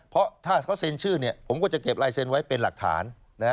เพราะถ้าเขาเซ็นชื่อผมก็จะเก็บลายเซ็นไว้เป็นหลักฐาน